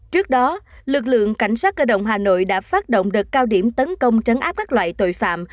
trước đó lực lượng cảnh sát cơ động hà nội đã phát động đợt cao điểm tấn công trấn áp các loại tội phạm